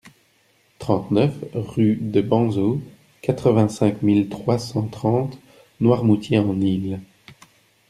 trente-neuf rue de Banzeau, quatre-vingt-cinq mille trois cent trente Noirmoutier-en-l'Île